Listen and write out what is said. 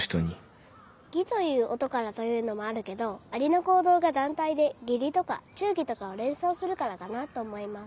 「ギ」という音からというのもあるけどアリの行動が団体で義理とか忠義とかを連想するからかなと思います